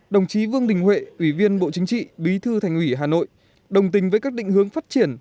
đồng chí vương đình huệ ủy viên bộ chính trị bí thư thành ủy hà nội đồng tình với các định hướng phát triển